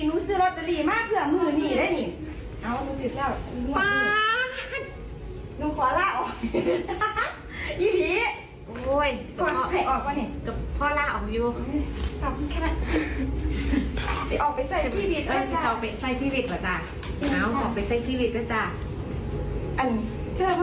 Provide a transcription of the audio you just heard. นี่เห็นไหมเธอบอกเธอละออกจริง